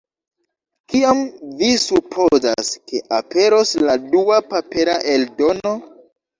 Kiam vi supozas, ke aperos la dua papera eldono?